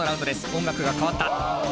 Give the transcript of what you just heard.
音楽が変わった！